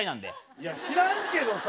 いや知らんけどさ。